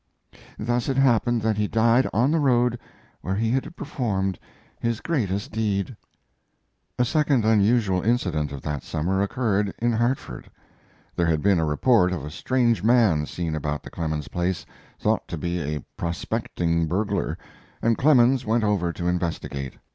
Thus it happened that he died on the road where he had performed his great deed. A second unusual incident of that summer occurred in Hartford. There had been a report of a strange man seen about the Clemens place, thought to be a prospecting burglar, and Clemens went over to investigate.